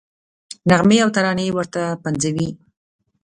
نغمې او ترانې ورته پنځوي.